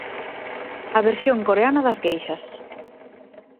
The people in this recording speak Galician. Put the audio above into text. A versión coreana das geishas.